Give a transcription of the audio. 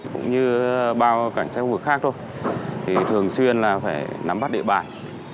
cũng như bao cảnh sát khu vực khác thôi thì thường xuyên là phải nắm bắt địa bàn